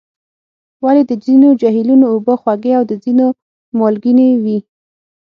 ولې د ځینو جهیلونو اوبه خوږې او د ځینو مالګینې وي؟